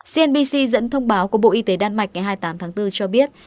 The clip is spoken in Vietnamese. cnbc dẫn thông báo của bộ y tế đan mạch ngày hai mươi tám tháng bốn cho biết